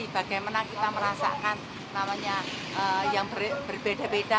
bagaimana kita merasakan namanya yang berbeda beda